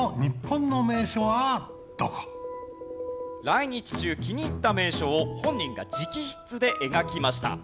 来日中気に入った名所を本人が直筆で描きました。